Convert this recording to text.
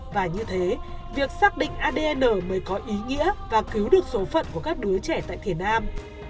và như thế việc xác định adn mới có ý nghĩa và cứu được số phận của các đứa trẻ tại việt nam